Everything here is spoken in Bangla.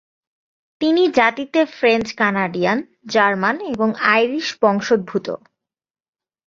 তিনি জাতিতে ফ্রেঞ্চ-কানাডিয়ান, জার্মান এবং আইরিশ বংশদ্ভুত।